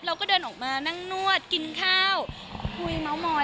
เราก็เดินออกมานั่งนวดกินข้าวคุยเม้ามอย